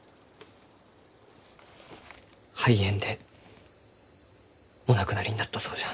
肺炎でお亡くなりになったそうじゃ。